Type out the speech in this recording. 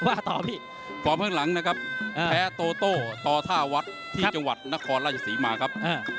พร้อมข้างหลังนะครับแพ้โตโตตอท่าวัดที่จังหวัดนครราชศรีมาครับ